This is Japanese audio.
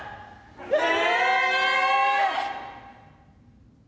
「え！」。